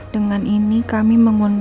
dengan ini kami mengunggah